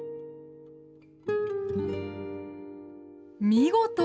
見事！